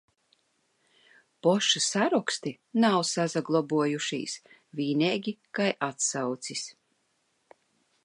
Paši saraksti nav saglabājušies, vienīgi kā atsauces.